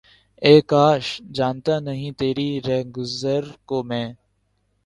اے کاش! جانتا نہ تیری رہگزر کو میں!